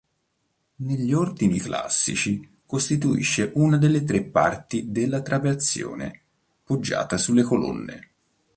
Negli ordini classici costituisce una delle tre parti della trabeazione poggiata sulle colonne.